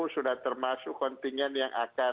sudah termasuk kontingen yang akan